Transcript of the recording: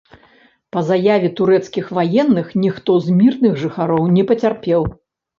Па заяве турэцкіх ваенных, ніхто з мірных жыхароў не пацярпеў.